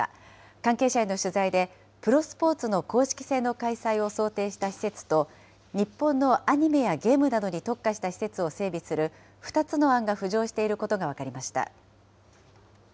関係者への取材で、プロスポーツの公式戦の開催を想定した施設と、日本のアニメやゲームなどに特化した施設を整備する、２つの案が浮上していることが分かりました。